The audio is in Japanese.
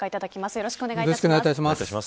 よろしくお願いします。